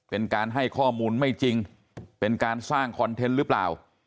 เป็นการให้ข้อมูลไม่จริงเป็นการสร้างคอนเทนต์หรือเปล่า